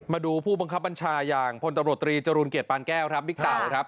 มาดูผู้บังคับบัญชาอย่างพลตำรวจตรีจรูลเกียรติปานแก้วครับบิ๊กเต่าครับ